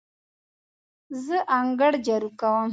زه انګړ جارو کوم.